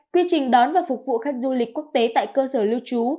quy trình đón và phục vụ khách du lịch quốc tế tại cơ sở lưu trú